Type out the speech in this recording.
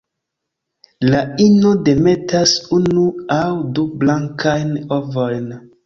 La ino demetas unu aŭ du blankajn ovojn.